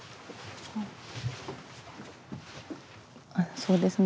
そうですね